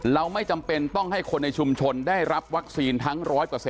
เราไม่จำเป็นต้องให้คนในชุมชนได้รับวัคซีนทั้ง๑๐๐